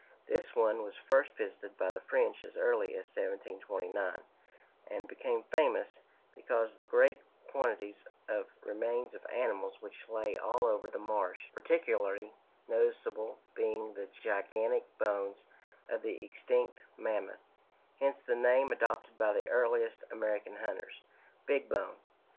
This one was first visited by the French as early as 1729, and became famous because of the great quantities of remains of animals which lay all over the marsh, particularly noticeable being the gigantic bones of the extinct mammoth hence the name adopted by the earliest American hunters, "Big Bone."